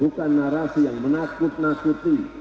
bukan narasi yang menakut nakuti